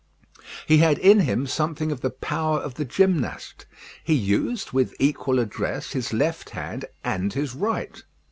He had in him something of the power of the gymnast. He used, with equal address, his left hand and his right.